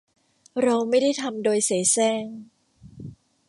เราไม่ได้ทำโดยเสแสร้ง